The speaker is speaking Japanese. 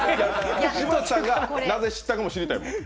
柴田さんがなぜ知ったかも知りたい。